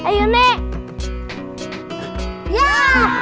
kembali ke depan